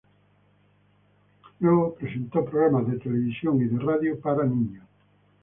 Luego, presentó programas de televisión y de la radio para niños.